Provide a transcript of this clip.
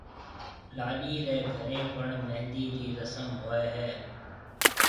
لاڏِي رَي گھرَي پڻ مھندِي رِي رسم ھوئيَ ھيََََ